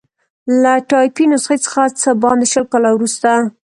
له ټایپي نسخې څخه څه باندې شل کاله وروسته.